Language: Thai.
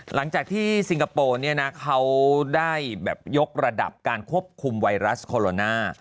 หลังจากที่ซิงคโปร์เนี่ยนะเขาได้แบบยกระดับการควบคุมไวรัสโคโรนา